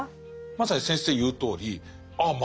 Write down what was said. まさに先生言うとおりああ